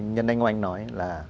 nhân anh oanh nói là